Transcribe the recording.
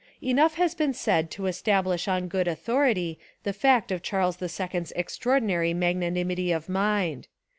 Enough has been said to establish on good authority the fact of Charles the Second's ex traordinary magnanimity of mind.